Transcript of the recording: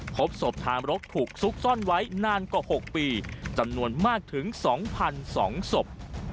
พบศพทามรกถูกซุกซ่อนไว้นานกว่า๖ปีจำนวนมากถึง๒๒ศพ